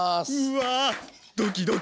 うわ。